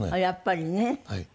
やっぱりね。